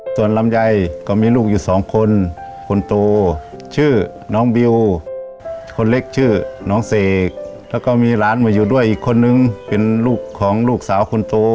ส่วนลำไยก็มีลูกอยู่สองคนคนโตชื่อน้องบิวคนเล็กชื่อน้องเสกแล้วก็มีหลานมาอยู่ด้วยอีกคนนึงเป็นลูกของลูกสาวคนโต